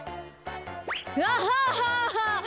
アハハハ！